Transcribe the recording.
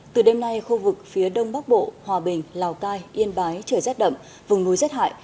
từ đêm nay khu vực phía đông bắc bộ hòa bình lào cai yên bái trời rét đậm vùng núi rét hại